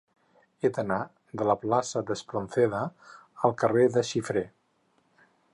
He d'anar de la plaça d'Espronceda al carrer de Xifré.